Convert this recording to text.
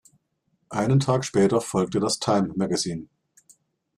Einen Tag später folgte das Time Magazine.